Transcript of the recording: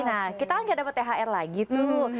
nah kita kan gak dapat thr lagi tuh